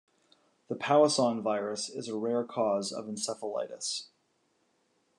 The Powassan virus is a rare cause of encephalitis.